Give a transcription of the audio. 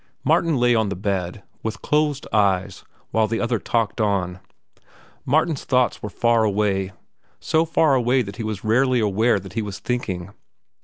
Martin lay on the bed, with closed eyes, while the other talked on. Martin's thoughts were far away—so far away that he was rarely aware that he was thinking.